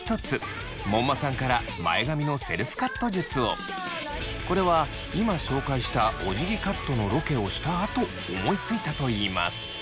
続いてこれは今紹介したおじぎカットのロケをしたあと思いついたといいます。